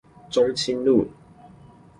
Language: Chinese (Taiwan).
中清路